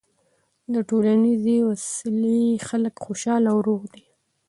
د ټولنیزې وصلۍ خلک خوشحاله او روغ دي.